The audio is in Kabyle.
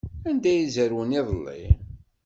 Anda ay zerwen iḍelli?